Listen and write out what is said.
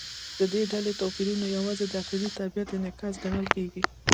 د دې ډلې توپیرونه یوازې د داخلي طبیعت انعکاس ګڼل کېږي.